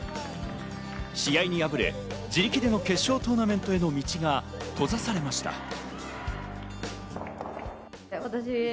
試合に敗れ、自力での決勝トーナメントへの道が閉ざされました。